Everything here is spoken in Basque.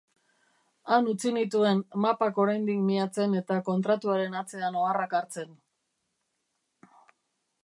Han utzi nituen mapak oraindik miatzen eta Kontratuaren atzean oharrak hartzen.